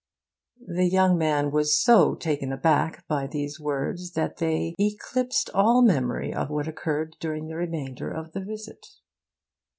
The young man was so taken aback by these words that they 'eclipsed all memory of what occurred during the remainder of the visit.